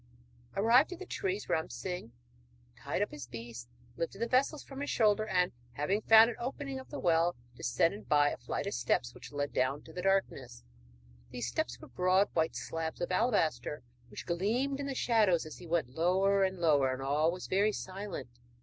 '] Arrived at the trees, Ram Singh tied up his beast, lifted the vessels from his shoulder, and having found the opening of the well, descended by a flight of steps which led down into the darkness. The steps were broad white slabs of alabaster which gleamed in the shadows as he went lower and lower. All was very silent.